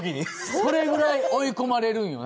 それぐらい追い込まれるんよね。